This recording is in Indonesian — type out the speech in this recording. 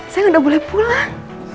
sayang udah boleh pulang